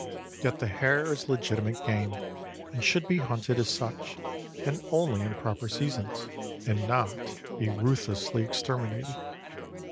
Yet the hare is legitimate game, and should be hunted as such, and only in proper seasons, and not be ruthlessly exterminated.